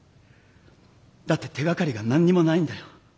だって手がかりが何にもないんだよ。